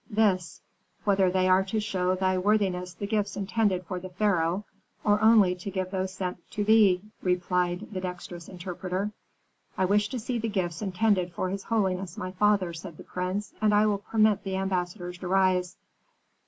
"This: whether they are to show thy worthiness the gifts intended for the pharaoh, or only to give those sent to thee," replied the dextrous interpreter. "I wish to see the gifts intended for his holiness my father," said the prince, "and I permit the ambassadors to rise."